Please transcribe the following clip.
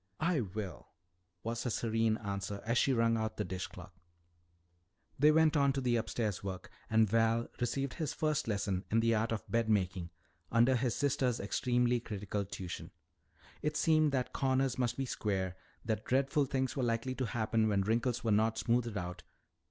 "I will," was her serene answer as she wrung out the dish cloth. They went on to the upstairs work and Val received his first lesson in the art of bed making under his sister's extremely critical tuition. It seemed that corners must be square and that dreadful things were likely to happen when wrinkles were not smoothed out.